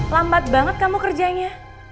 lambat banget kamu kerjanya